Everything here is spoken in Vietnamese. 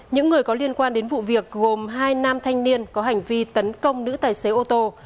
những người có liên quan đến vụ việc gồm hai nam thanh niên có hành vi tấn công nữ tài xế ô tô